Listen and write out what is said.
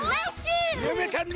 ゆめちゃん